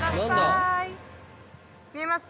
見えます？